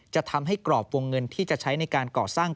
จะทำให้กรอบวงเงินที่จะใช้ในการก่อสร้าง